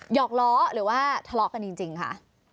อกล้อหรือว่าทะเลาะกันจริงค่ะ